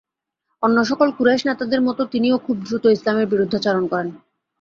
অন্যসকল Quraysh নেতাদের মতো তিনিও খুব দ্রুত ইসলামের বিরুদ্ধাচরণ করেন।